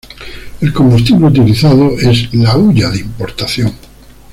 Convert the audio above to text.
El combustible utilizado es la hulla de importación.